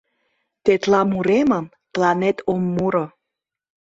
Тетла муремым тыланет ом муро.